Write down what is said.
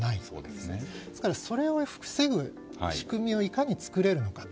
ですから、それを防ぐ仕組みをいかに作れるのかと。